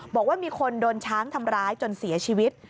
บอกว่ามีคนโดนช้างทำร้ายจนเสียชีวิต